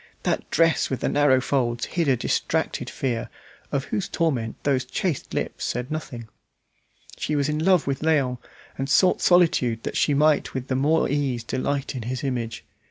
That dress with the narrow folds hid a distracted fear, of whose torment those chaste lips said nothing. She was in love with Léon, and sought solitude that she might with the more ease delight in his image.